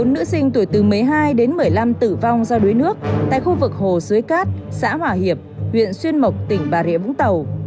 bốn nữ sinh tuổi từ một mươi hai đến một mươi năm tử vong do đuối nước tại khu vực hồ suối cát xã hòa hiệp huyện xuyên mộc tỉnh bà rịa vũng tàu